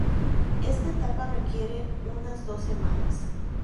Esta etapa requiere unas dos semanas.